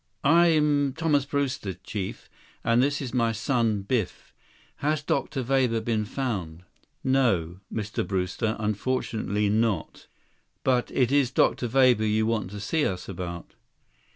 "I'm Thomas Brewster, Chief. And this is my son, Biff. Has Dr. Weber been found?" "No, Mr. Brewster, unfortunately not." "But it is Dr. Weber you want to see us about?"